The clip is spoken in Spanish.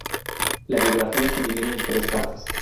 La biografía se divide en tres partes.